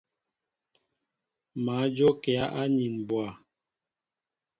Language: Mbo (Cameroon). Má njókíá anin mbwa.